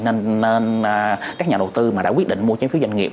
nên các nhà đầu tư mà đã quyết định mua trái phiếu doanh nghiệp